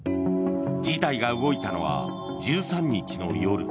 事態が動いたのは１３日の夜。